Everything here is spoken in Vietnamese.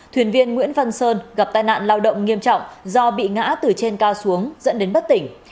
thuyền viên nguyễn văn sơn gặp tai nạn lao động nghiêm trọng do bị ngã từ trên cao xuống dẫn đến bất tỉnh